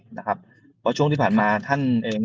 เพราะช่วงที่ผ่านมาท่านเอง